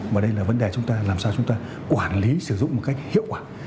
mà đây là vấn đề chúng ta làm sao chúng ta quản lý sử dụng một cách hiệu quả